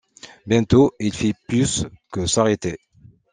Bientôt, il fit plus que s’arrêter.